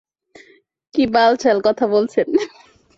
কি বাল-ছাল কথা বলছেন?